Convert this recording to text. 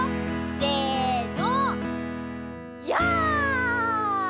せの。